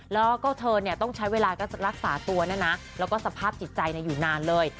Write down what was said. แล้วก็เธอเนี่ยต้องใช้เวลารักษาตัวนะนะแล้วก็สภาพจิตใจอยู่นานเลย